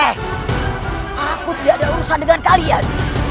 eh aku tidak ada urusan dengan kalian